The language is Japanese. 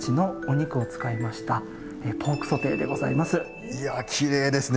いやきれいですね。